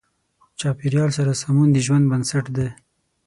چاپېریال سره سمون د ژوند بنسټ دی.